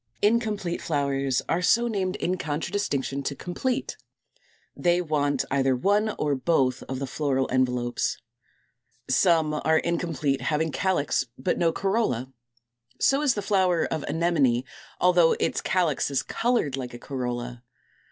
=Incomplete Flowers= are so named in contradistinction to complete: they want either one or both of the floral envelopes. Those of Fig. 230 are incomplete, having calyx but no corolla. So is the flower of Anemone (Fig. 233), although its calyx is colored like a corolla.